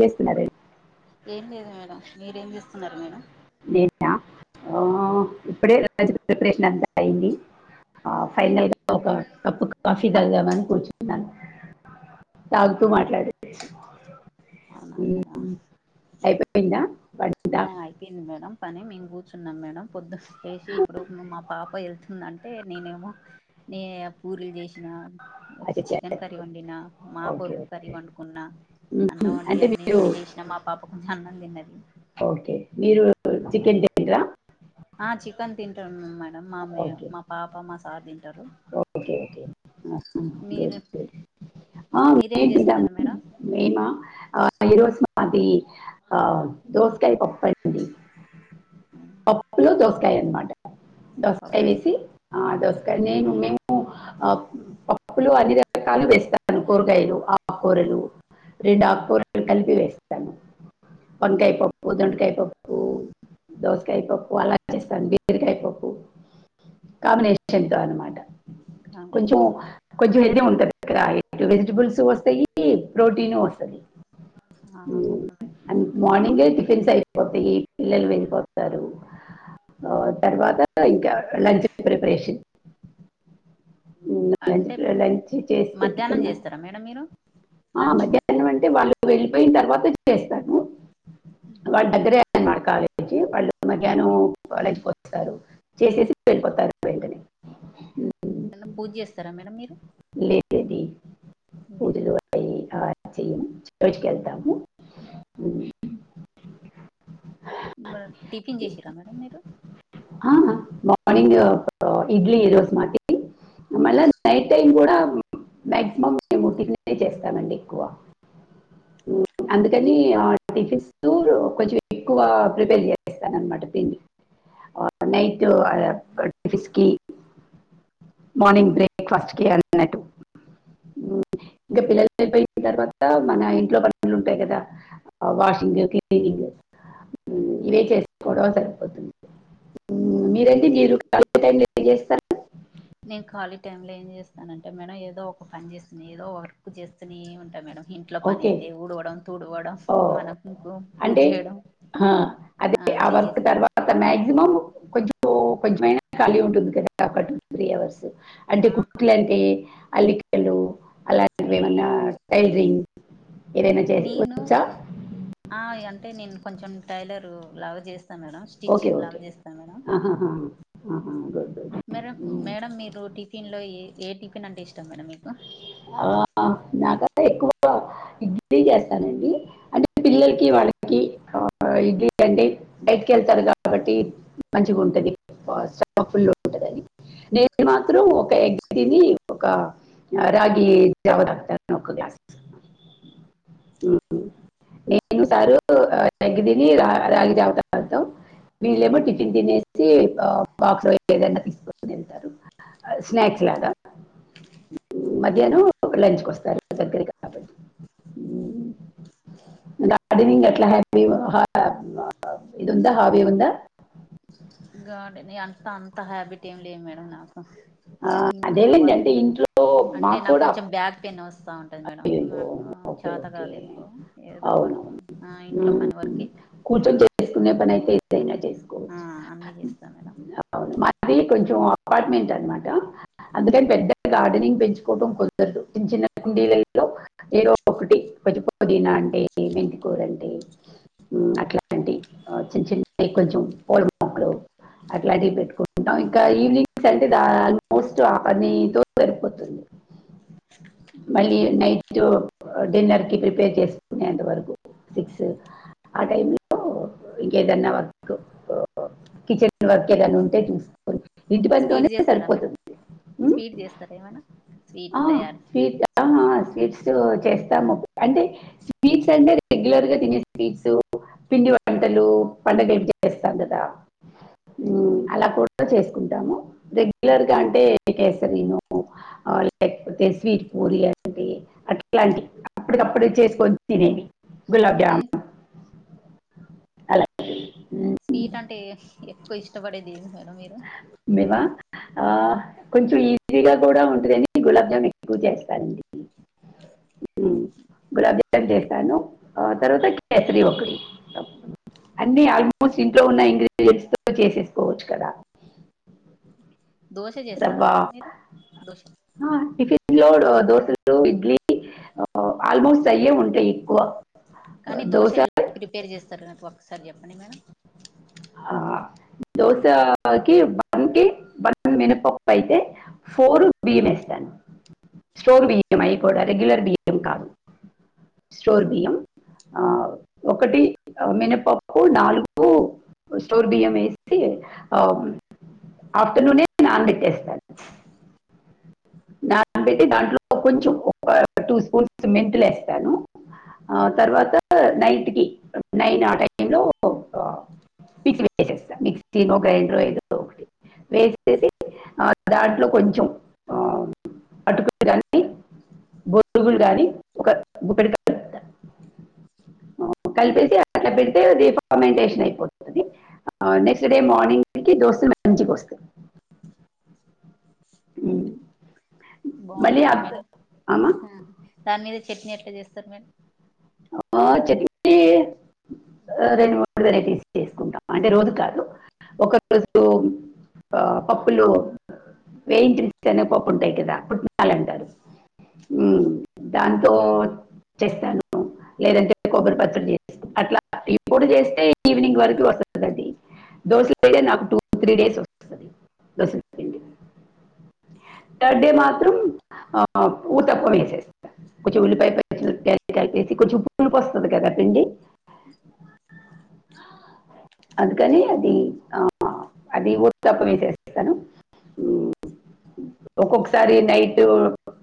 చేస్తున్నారే ఏం లేదు మేడం మీరేం చేస్తున్నారు మేడం నేనా [inaudible] ఆ ఇప్పుడే ప్రిపరేషన్ అంతా అయ్యింది ఆ ఫైనల్గా ఒక కప్పు కాఫీ తాగుదామని కూర్చున్నాను తాగుతూ మాట్లాడేసి అవునా మేడం అయిపోయిందా వంట ఆ అయిపోయింది మేడం పని మేము కూర్చున్నాం మేడం పొద్దున్న లేసి ఇప్పుడు మా పాప వెళ్తుందంటే నేనేమో నీ పూరీలు చేసిన అచ్చచ్చ. చికెన్ కర్రీ వండినా మాకో ఓకే కర్రీ ఓకే వండుకున్నా ఉమ్, అన్నం వండి అంటే అన్ని మీరు రెడీ చేసినా మా పాప కొంచెం అన్నం తిన్నది ఓకే మీరు చికెన్ తినరా ఆ చికెన్ తింటారు మేడం మా ఓకే మా పాప మా సార్ తింటారు ఓకే ఓకే ఆహా, మీరు గుడ్ గుడ్ ఆ, మీరేం మేము తింటాం చేస్తారు మేడం అది ఆ దోసకాయ పప్పు అండి పప్పులో దోస కాయ అన్నమాట దోసకాయ పప్పులు వేసి ఆ దోసకాయ నేను మేము ఆ పప్పులు అన్ని రకాలు వేస్తాను కూరగాయలు ఆకుకూరలు రెండు ఆకుకూరలు కలిపి వేస్తాను వంకాయ పప్పు, దొండకాయ పప్పు దోసకాయ పప్పు అలా చేేస్తాను బీరకాయ పప్పు కాంబినేషన్తో అన్నమాట కాంబినేషన్ హెల్తీ ఉంటంది కదా వెజిటబుల్స్ వస్తాయి ప్రోటీన్ వస్తుంది అవును మేడం ఉమ్ మోర్నింగ్ ఏ టిఫిన్స్ అయిపోతాయి పిల్లలు వెళ్ళిపోతారు తర్వాత ఇంకా లంచ్ ప్రిపరేషన్ లంచ్ అంటే లంచ్ చేసి మధ్యాహ్నం పెట్టుకున్నా చేస్తారా మేడం మీరు ఆ లంచ్ మధ్యాహ్నం అంటే వాళ్ళు వెళ్ళిపోయిన తర్వాత చేస్తాను వాళ్ళు దగ్గరే కాలేజీ వాళ్ళు మధ్యాహ్నం కాలేజ్కి పోయి వస్తారు చేసేసి వెళ్ళిపోతారు వెంటనే ఉ ఏన్న పూజ చేస్తారా మేడం మీరు ఏ రోజు చెయ్యము బయటికి వెళ్తాము టిఫిన్ చేసిర్రా మేడం మీరు ఆ మార్నింగ్ ఇడ్లీ రోజు మాది మళ్ళ నైట్ టైమ్ కూడా మ్యాక్సిమం మేము టిఫినే చేస్తామండి ఎక్కువ అందుకనీ ఆ టిఫిన్సూ కొంచెం ఎక్కువ ప్రిపేర్ చేసేస్తాను అన్నమాట రప్పింది [inaudible] [inaudible] మార్నింగ్ బ్రేక్ఫాస్ట్ కి అన్నట్టు ఇంక పిల్లలు వెళ్ళిపోయిన తర్వాత మన ఇంట్లో పనులు ఉంటాయి కదా వాషింగ్ క్లీనింగ్ [inaudible] ఇవే చేసు కోడాం సరిపోతుంది మీరండి టిఫ్ మీరు కరెక్ట్ టైమ్ లో ఎన్ని చేస్తారు నేను ఖాళీ టైమ్ లో ఏం చేస్తానంటే మేడం ఏదో ఒక పని చేస్తున్నా ఏదో వర్క్ చేస్తూనే ఉంటా మేడం ఇంట్లో పని ఓకే అయితే ఊడవడం తుడువడం ఓ మనకు పూజ అంటే చేయడం ఆ, అదే ఆ అన్నీ వర్క్ చేస్తాను తర్వాత మ మినిమం కొంచెం కొంచెమైనా ఖాళీ ఉంటుంది కదా ఒక టూ త్రీ అవర్స్ అంటే ఆ అక్క కుడుకులు అంటే అల్లికలు అలాంటివి ఏమన్నా టైలరింగ్ ఏదైనా చేసు నేను వచ్చా ఆ అంటే నేను కొంచెం టైలర్ లాగా చేస్తాను మేడం స్టిచ్చింగ్ లాగా చేస్తా మేడం ఆహా మేడం మేడం మీరు టిఫిన్ లో ఏ ఏ టిఫిన్ అంటే ఇష్టం మేడం మీకు ఆ నాకు అదే ఎక్కువ ఇడ్రీ చేస్తానండి అంటే పిల్లలకి వాళ్ళకి ఇ్రీ బయట్కి వెళ్తారు కాబట్టి మంచిగా ఉంటంది స్ట ఫుల్ ఉంటంది అని నేను మాత్రం ఒక ఎగ్గిదిని ఒక రాగి జావా తాగుతాను ఒక గ్లాస్ నేను సారు నగ్గిదిని రా రాగి జావా తాగుతాం వీళ్ళేమో టిఫిన్ తినేసి ఆ బాక్ లో ఏదనా తీసుకుని వెళ్తారు స్నాక్స్ లాగా మ అవునా మధ్యాసం లంచ్కి వస్తారు దగ్గరే కాబట్టి ఉమ్, గార్డెనింగ్ ఎట్లా హపీ ఇది ఉందా హవి ఉందా గాడ అంత అంత హ్యాబిటీ ఏం లే మేడం నాకు ఆ, ఇంట్లా అదేలేండి వర్క్ అంటే ఇంట్లో అంటే మాకు నాకు కూడా కొంచెం బ్యాక్ పెయిన్ వస్తా ఉంటది మేడం అయ్యో ఆహా ఓకే చేత ఓకే కాదు ఎక్కువ ఏదో వర్క్ అవునవును ఇంట్లో పని వర్కే మేడం కొన్ని పని అయితే ఎప్పుడూ అన్న చేసుకోవచ్చు ఆ అన్నీ చేస్తాం మేడం అవును మాది కొంచెం అపార్ట్మెంట్ అనమాట అందుకని పెద్ద గార్డెనింగ్ పెంచుకోవటం కుదరదు చిన్న చిన్న కుండీలలో ఏదో ఒకటి పదిపోదీనా అంటే మెంతికూర అంటే అట్లాంటి చిన్న చిన్న కొంచెం పోల మొక్కలు అట్లాంటివి పెట్టుకుంటాం ఇంకా ఈవినింగ్స్ ది ఆల్మోస్ట్ ఆ పనితో సరిపోతుంది మళ్ళీ నైట్ డిన్నర్ కి ప్రిపేర్ చేసుకునేంత వరకు సిక్స్ ఆ టైమ్ లో ఇంకేదన్నా వర్క్ కిచెన్ వర్క్ ఏదైనా ఉంటే చూసుకోన్ స్వీట్ చేస్తారా మేడం ఉమ్, స్వీట్ చేస్తారా ఏమైనా స్వీట్ ఆ, తయారు స్వీట్ ఆ స్వీట్స్ స్ చేస్తాము అంటే స్వీట్స్ అంటే రెగ్యులర్ గా తినే స్వీట్సు పిండి వంటలు పండగలకి చేస్తాం కదా మ్మ్ అలా కూడా చేసుకుంటాము రెగ్యులర్ గా అంటే ఏ కేసరీనో ఆ లేకపోతే స్వీట్ పూరి అంటే అట్లాంటివి అప్పటికప్పుడు చేసుకొని తినేవి గులాబ్జాము ఏం అలా మ్, స్వీట్ అంటే ఎక్కువ ఇష్టపడేది మేడం మీరు మేమ ఆ కొంచెం ఈ గా కూడా ఉంటదని గులాబ్ జామున్ ఎక్కువ చేస్తానండి హుమ్ గులాబ్ జామన్ చేస్తాను తరువాత కేసరి ఒకటీ అన్ని ఆల్మోస్ట్ ఇంట్లో ఉన్న ఇంగ్రీడియంట్స్ తోటి చేసేసుకోవచ్చు కదా దోశ చేస్తారా రవ్వ మేడం మీరు దోశ టిఫిన్ దోశలు ఇడ్లీ ఆ ఆల్మోస్ట్ అయ్యే ఉంటాయి ఎక్కువ కానీ దోశ ఎలా ప్రిపేర్ చేస్తారు నాకు ఒకసారి చెప్పండి మేడం ఆ ఆ దోశకి వన్ కి వన్ మినపప్పు అయితే ఫోర్ బియం ఎస్త్ స్టోర్ బియ్యం అయి కూడా రెగ్యులర్ బియ్యం కాదు స్టోర్ బియ్యం ఆ ఒకటి మినపప్పు నాలుగు స్టోర్ బియ్యం ఏసీ ఆ ఆఫ్టర్నూనే నాన్ బెట్టేస్తను నాన్ బెట్టి దాంట్లో కొంచెం ఒక టూ స్పూన్స్ మెంతు లేస్తాను ఆ తర్వాత నైట్ కి నైన్ ఆ టైమ్ లో మిక్సీ వేేసేస్తా మిక్సీనో గ్రైండర్ ఏదో ఒకటి వేసేసి ఆ దాంట్లో కొంచెం ఆ అటుకులు గానీ బొరుగులు గాని ఒక ఒకటి [unintelligible] కలిపేసి అట్లా పెడితే రిఫర్మెంటేషన్ అయిపోతుంది నెక్స్ట్ డే మార్నింగ్ కి దోసలు మంచిగా వస్తయ్ హుమ్ బాగుంటదా మేడం ఆమా దాని మీద చట్నీ ఎట్లా చేస్తారు మరి అబ్బో చట్నీ రెండు మూడు వెరైటీస్ చేసుకుంటాం అంటే రోజు కాదు ఒక రోజు ఆ పప్పులు వేయించిన శెనగ పప్పులు ఉంటాయి కదా అలాంటివి దాంతో హుమ్ చట్నీ అనుకో లేదంటే కొబ్బరి పచ్చడి చేస్త అట్లా ఇప్పుడు చేస్తే ఈవినింగ్ వరకు వస్తది దోసల పిండి నాకు టూ త్రీ డేస్ వస్తది దోశల పిండి థర్డ్ డే మాత్రం ఆ ఊత పొడి వేసేస్త కొంచెం ఉల్లిపాయ పచ్చడి గట్టిగా కలిపేసి కొంచెం పులుపొస్తుంది కదండి అందుకని చెప్ అది ఆ అది ఉత్త పొడితో చేసేస్తాను ఒక్కొక్కసారి నైట్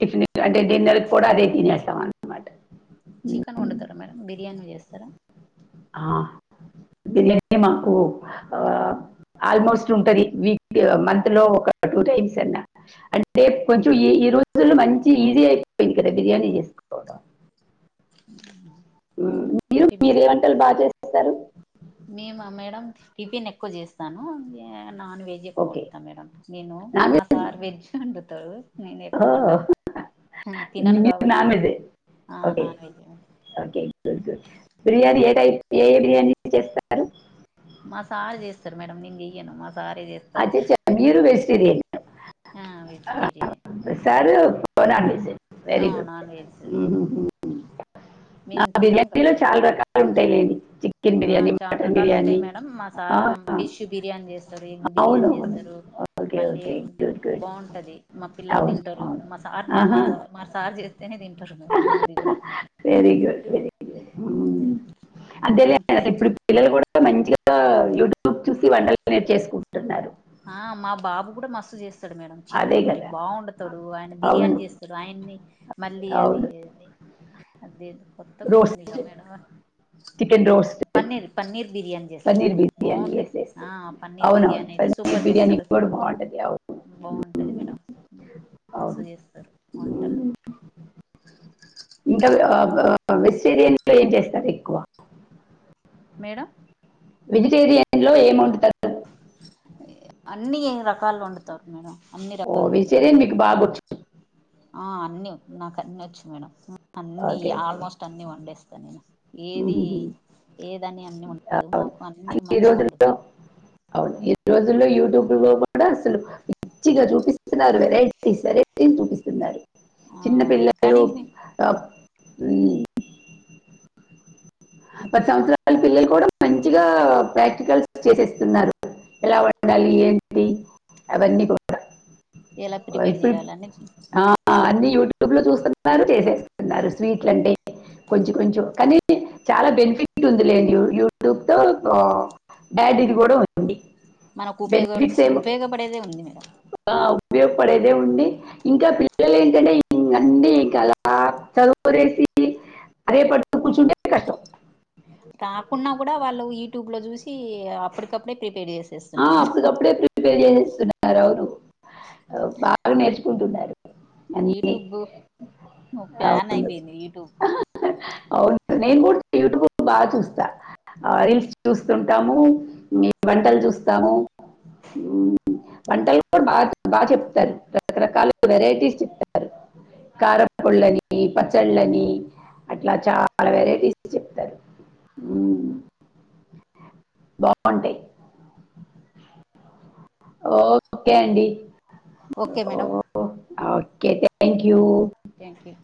టిఫిన్ అంటే డిన్నర్ కూడా అదే తినేస్తాం అనమాట చికెన్ వండుతారా మేడం బిర్యానీ చేస్తారా ఆ బిర్యానీ అంటే మాకు ఆల్మోస్ట్ ఉంటది వీక్లీ మంత్ లో ఒక టూ టైమ్స్ అన్నా అంటే కొంచెం ఈ ఈ రోజులో మంచి ఈజీ అయిపోయింది కదా బిర్యానీ చేసుకోవడం హుమ్ మీరు మీరేం వంటలు బాగా చేస్తారు మేమ మేడం టిఫిన్ ఎక్కువ చేస్తాను నాన్ వెజ్ ఎక్కువ ఓకే వండుతా మేడం నేను మా సార్ వెజ్ వండుతారు నేనెక్కువండను నిది నా మీదే నాన్ వెజ్ వండను. ఓకేఓకే గుడ్ బిరియానీ ఏ టైప్ ఏ ఏ బిర్యానీ చేస్తారు ఇయన్ మ అచ్చచచ్చా మీరు వెజిటేరియన్ వెజిటేరియన్ సారు పోనండి ఆ వెరీ నాన్ గుడ్ వెజ్ మేము తినం బిర్యానీలో కాబట్టి చాలా రకాలు ఉంటాయి చికెన్ ఆ బిర్యానీ మటన్ చాలారకాలు ఉంటాయి బిర్యానీ మేడం మా ఆ, సారు ఫిష్ బిర్యానీ చేస్తా సారు ఎగ్ అవును బిర్యానీ అవును చేస్తారు ఓకే మళ్ళీ ఓకే గుడ్ గుడ్ బాగుంటది మా పిల్లలు అవును తింటారు అవును మా సార్ మా ఆహా మా సార్ చేస్తేనే ఇంట [unintelligible] కూడా సరిగా అదే ఇప్పుడు పిల్లలు కూడా మంచిగా యూట్యూబ్ చూసి వంటలు నేర్చేసుకుంటున్నారు ఆ మా బాబు కూడా మస్తు చేస్తు కదా మేడం అదే చికెన్ కర్రీ కదా బాగ వొండుతాడు ఆయన బిర్యానీ అవును చేస్తాడు ఆయన్ని మళ్ళీ అది అవును అదే కొత్తగా ఉందిగా roast madam chicken roast paneer paneer biryani paneer చేస్తారు బిర్యానీ బాగుంటది ఆ పన్నీర్ బిర్యాని అయితే సూప మీ బిర్యానీ కూడా బాగుంటది అవును బాగుంటది మ్మ్. మేడం అవును మస్త్ చేస్తారు వంటలు మ్మ్. ఇంకా వెజిటేరియన్ లో ఏం చేస్తారు ఎక్కువ మేడం వెజిటేరియన్ లో ఎమ్ వండుతార్ అన్నీ రకాలు వండుతారు మేడం అన్ని ఓ రకాలు వెజిటేరియన్ ఇప్పుడు మీకు బాగోచ్చు ఆ అన్ని నాకు అన్ని వచ్చు మేడం అన్ని ఓకే ఓకే ఆల్మోస్ట్ అన్ని వండేస్తాను ఏది మ్మ్. ఏదని అన్ని ఉండదు అవును మాకు అన్ని అసలు ఈ మంచి రోజుల్లో వండుతాం అవును ఈ రోజుల్లో యూట్యూబ్ లో కూడా అసలు మంచిగా చూపిస్తున్నారు కదా వెరైటీస్ వెరైటీ చూపిస్తున్నారు ఆ చిన్నపిల్లలు కానీ పది సంవత్సరాల పిల్లలు కూడా మంచిగా ప్రాక్టికల్స్ చేసేస్తున్నారు ఎలా ఉండాలి ఏంటి అవన్నీ కూడా ఎలా ప్రిపేర్ ఇప్పుడు చేయాల అని చూపిస్తూ ఆ, అన్ని యూట్యూబ్ లో చూస్తున్నారు చేసేస్తున్నారు స్వీట్లు అంటే కొంచెం కొంచెం కానీ చాలా బెనిఫిట్ ఉంది లేండి యూట్యూబ్ తో డాడీది కూడా ఉంది మనకు ఉపయోగపడే బెనిఫిట్స్ ఏం ఉపయోగపడేదే ఉంది ఆ, ఉపయోగపడేదే ఉండి ఇంకా పిల్లలు ఏంటంటే ఇంక అన్నీ ఇంకా అలా చదువు వదిలేసి అదే పడుకు కూర్చుంటే కష్టం రాకున్నా కూడా వాళ్ళు యూట్యూబ్ లో చూసి అప్పటికప్పుడే ప్రిపేర్ ఆ చేసేస్తున్నాను మేడం అప్పటికప్పుడే ప్రిపేర్ చేసేస్తున్నారు కుందున్నారు యూట్యూబు ప్యాన్ అవును అయిపోయింది యూట్యూబ్ అవును నేను కూడ్ యూట్యూబ్ లో బాగా చూస్తా రీల్స్ చూస్తుంటాము మీ వంటలు చూస్త్ తాను వంటలు కూడా బాగా బాగా చెప్తారు రకరకాల వెరైటీస్ చెప్తారు కార కొళని పచ్చళ్ళని అట్లా చాలా వెరైటీస్ చెప్తారు బావుంటయి ఓకే అండి ఓకే మేడం కే థ్యాంక్ యూ థ్యాంక్ యూ